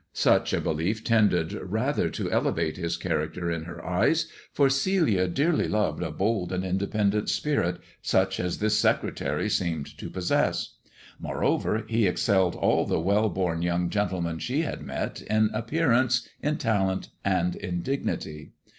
Such a belief tended rather to THE dwarf's chamber 99 elevate his character in her eyes, for Celia dearly loved a bold and independent spirit, such as this secretary seemed to possess. Moreover, he excelled all the well born young gentlemen she had met in appearance, in talent, and in dignity.